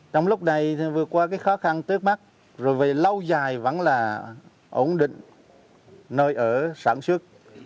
trong lúc đây vượt qua cái khó khăn trước mắt rồi về lâu dài vẫn là ổn định nơi ở sản xuất